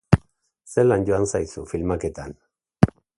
Zelan joan zaizu filmaketan?